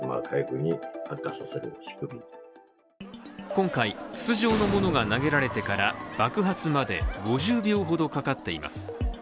今回、筒状のものが投げられてから爆発まで５０秒ほどかかっています。